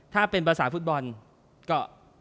ถ้าเป็นภาษาฟุตบอลก็